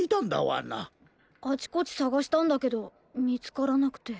あちこちさがしたんだけどみつからなくて。